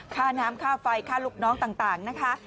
ค่าน้ำค่าไฟค่าลูกน้องต่างนะคะ